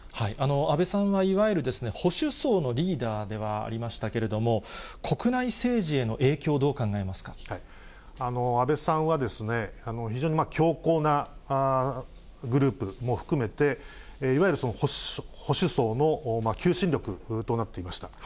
安倍さんは、いわゆる保守層のリーダーではありましたけれども、国内政治への安倍さんは、非常に強硬なグループも含めて、いわゆる保守層の求心力となっていました。